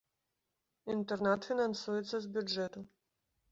Інтэрнат фінансуецца з бюджэту.